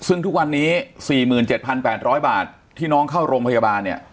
ซึ่งทุกวันนี้๔๗๘๐๐บาทที่น้องเข้าโรงพยาบาลเนี่ย